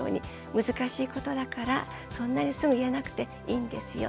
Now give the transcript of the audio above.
難しいことだからそんなにすぐ言えなくていいんですよ。